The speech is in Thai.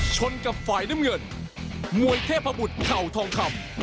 ชนกับฝ่ายน้ำเงินมวยเทพบุตรเข่าทองคำ